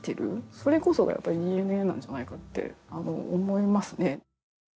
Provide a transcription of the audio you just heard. それこそがやっぱりＤＮＡなんじゃないかって思いますね。